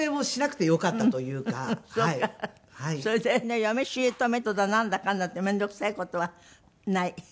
それでね嫁姑とだなんだかんだって面倒くさい事はない？